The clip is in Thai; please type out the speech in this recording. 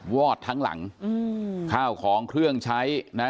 วอดทั้งหลังอืมข้าวของเครื่องใช้นะ